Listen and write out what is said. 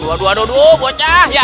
aduh aduh bucah